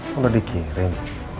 kok udah dikirim